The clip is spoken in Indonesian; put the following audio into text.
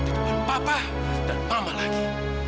di depan papa dan mama lagi